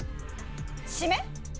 締め？